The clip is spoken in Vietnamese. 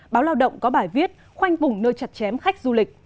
báo lao động có bài viết khoanh vùng nơi chặt chém khách du lịch